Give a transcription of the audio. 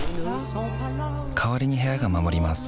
代わりに部屋が守ります